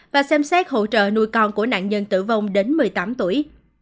và xem xét hỗ trợ nuôi con của nạn nhân tử vong đến một mươi tám tuổi